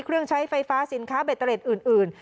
เครื่องใช้ไฟฟ้าสินค้าเบตเตรดอื่น